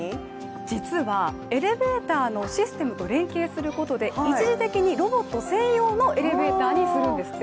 実はエレベーターのシステムと連携することで一時的にロボット専用のエレベーターにするんですって。